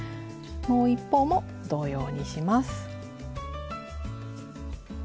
もう一方も同様にします。